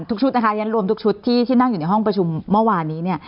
ทุกชุดนะคะฉันรวมทุกชุดที่นั่งอยู่ในห้องประชุมเมื่อวานนี้เนี่ย